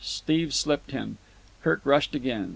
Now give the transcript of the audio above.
Steve slipped him. Kirk rushed again.